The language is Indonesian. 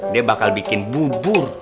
dia bakal bikin bubur